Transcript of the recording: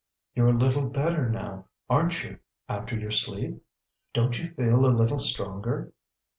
"You're a little better now, aren't you, after your sleep? Don't you feel a little stronger?"